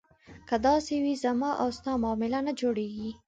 که داسې وي زما او ستا معامله نه جوړېږي.